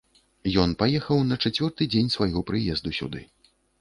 Ён паехаў на чацвёрты дзень свайго прыезду сюды.